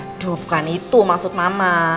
aduh bukan itu maksud mama